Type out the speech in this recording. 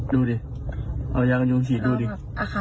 แล้วแบบร้องมาก